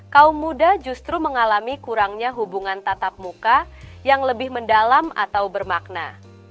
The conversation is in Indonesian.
kaum muda justru mengalami kurangnya hubungan tatap muka yang lebih mendalam atau bermakna